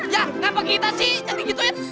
ya kenapa kita sih nyanyi gituin